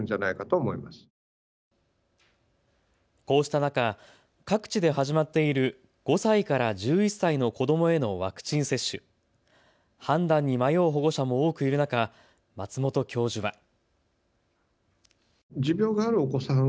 こうした中、各地で始まっている５歳から１１歳の子どもへのワクチン接種。判断に迷う保護者も多くいる中、松本教授は。